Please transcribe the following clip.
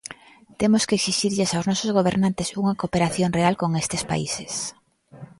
Temos que esixirlles aos nosos gobernantes unha cooperación real con estes países.